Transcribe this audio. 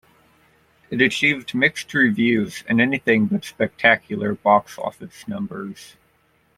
It received mixed reviews and anything but spectacular box-office numbers.